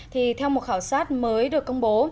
thì theo một khảo sát mới được công bố